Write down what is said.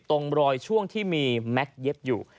ตรงรอยช่วงที่มีแม็กซ์เย็บอยู่